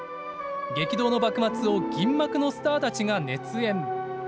激動の幕末を銀幕のスターたちが熱演。